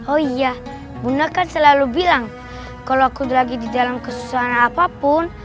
oh iya bunda kan selalu bilang kalau aku lagi di dalam kesusahan apapun